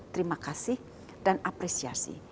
terima kasih dan apresiasi